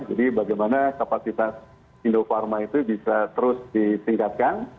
bagaimana kapasitas indofarma itu bisa terus ditingkatkan